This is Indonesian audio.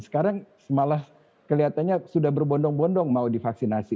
sekarang malah kelihatannya sudah berbondong bondong mau divaksinasi